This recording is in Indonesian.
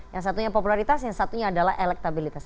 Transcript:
yang satunya popularitas yang satunya adalah elektabilitas